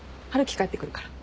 帰ってくるから。